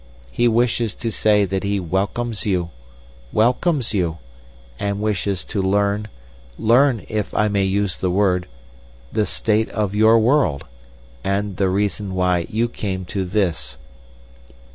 He wishes to say that he welcomes you—welcomes you—and wishes to learn—learn, if I may use the word—the state of your world, and the reason why you came to this.